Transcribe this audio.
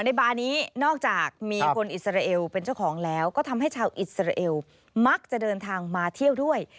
บาร์นี้นอกจากมีคนอิสราเอลเป็นเจ้าของแล้วก็ทำให้ชาวอิสราเอลมักจะเดินทางมาเที่ยวด้วย